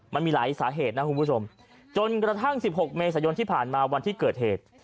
มันมีหลายสาเหตุนะคุณผู้ชมจนกระทั่ง๑๖เมษายนที่ผ่านมาวันที่เกิดเหตุ